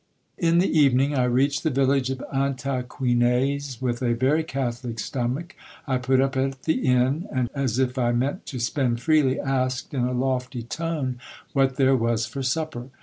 In the evening I reached the village of Ataquines with a very catholic stomach. I put up at the inn ; and, as if I meant to spend freely, asked, in a lofty tone, what there was for supper.